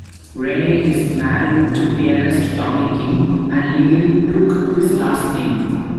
Renee is married to pianist Tommy King, and legally took his last name.